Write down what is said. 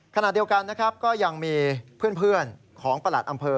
ขณะเดียวกันนะครับก็ยังมีเพื่อนของประหลัดอำเภอ